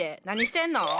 何してんの？